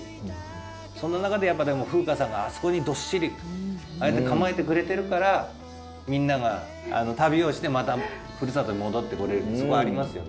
その中でやっぱでも風夏さんがあそこにどっしりああやって構えてくれてるからみんなが旅をしてまたふるさとに戻ってこれるってそこありますよね。